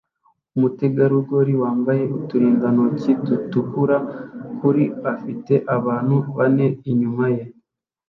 Umutegarugori wambaye uturindantoki dutukura kuriafite abantu bane inyuma ye